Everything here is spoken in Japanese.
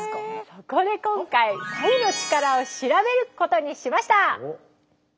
そこで今回白湯の力を調べることにしました。